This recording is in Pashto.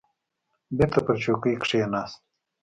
بېرته پر چوکۍ کښېناست.